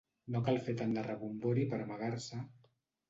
No cal fer tant de rebombori per amagar-se...